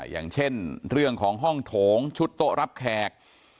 อย่างเช่นเรื่องของห้องโถงชุดโต๊ะรับแขก